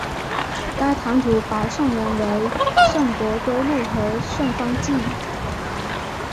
该堂主保圣人为圣伯多禄和圣方济。